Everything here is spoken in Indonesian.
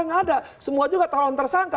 yang ada semua juga calon tersangka